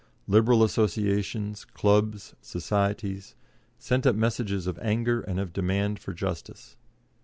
Liberal associations, clubs, societies, sent up messages of anger and of demand for justice.